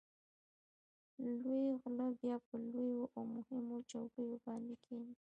لوی غله بیا په لویو او مهمو چوکیو باندې کېني.